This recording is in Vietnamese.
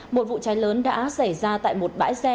một vụ cháy lớn đã xảy ra tại một bãi xe